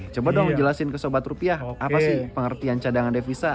coba dong jelasin ke sobat rupiah apa sih pengertian cadangan devisa